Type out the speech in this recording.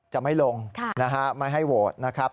จะไม่ลงไม่ให้โหวตนะครับ